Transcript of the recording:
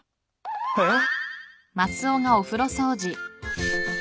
えっ？